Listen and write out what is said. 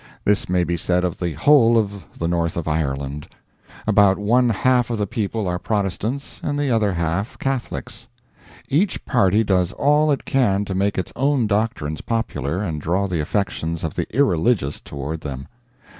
This may be said of the whole of the North of Ireland. About one half of the people are Protestants and the other half Catholics. Each party does all it can to make its own doctrines popular and draw the affections of the irreligious toward them.